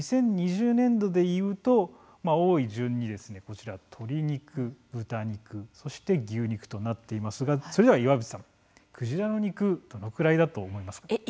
２０２０年度でいうと多い順に、こちら鶏肉、豚肉そして牛肉となっていますがそれでは岩渕さん、クジラの肉どのくらいだと思いますか？